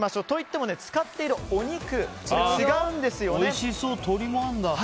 といっても、使っているお肉違うんですよね。